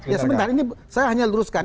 ya sebentar ini saya hanya luruskan